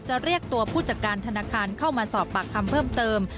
เรียกตัวผู้จัดการธนาคารเข้ามาสอบปากคำเพิ่มเติม